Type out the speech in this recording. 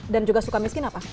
dan juga suka miskin apa